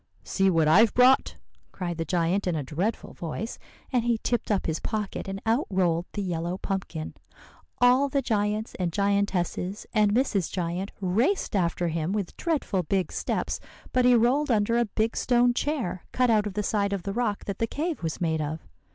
"'See what I've brought,' cried the giant in a dreadful voice; and he tipped up his pocket, and out rolled the yellow pumpkin. All the giants and giantesses and Mrs. Giant raced after him with dreadful big steps; but he rolled under a big stone chair, cut out of the side of the rock that the cave was made of.